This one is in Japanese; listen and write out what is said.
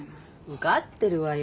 受かってるわよ。